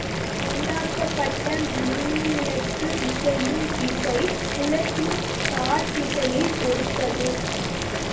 உண்டாக்கப்பட்ட மின்னியக்கு விசையின் திசை, புலத்தின் சார்திசையைப் பொறுத்தது.